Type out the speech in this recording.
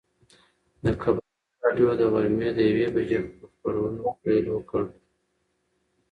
د کبابي راډیو د غرمې د یوې بجې په خبرونو پیل وکړ.